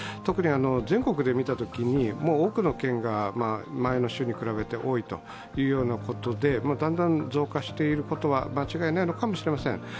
特に全国で見たときに、多くの県が前の週に比べて多いというようなことでだんだん増加していることは間違いないのかもしれません。